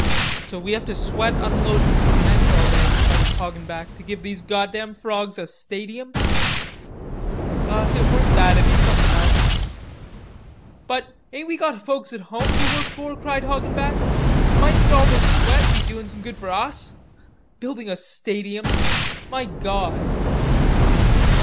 "So we have to sweat unloadin' cement all day," muttered Hoggenback, "to give these goddam frawgs a stadium." "If it weren't that it'd be somethin' else." "But, ain't we got folks at home to work for?" cried Hoggenback. "Mightn't all this sweat be doin' some good for us? Building a stadium! My gawd!"